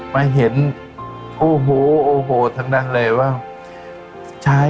มาเห็นโอ้โหทั้งแรกเลยว่า